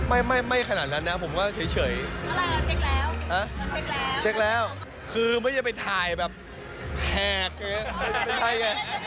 เมื่อไทยเขาใส่ไอ้พี่พี่โต๊ะตรงอะไรแบบนี้